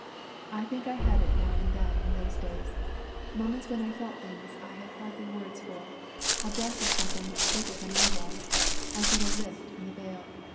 I think I had it now and then in those days, moments when I felt things I had hardly words for, a breath of something much bigger than I was, a little lift in the veil.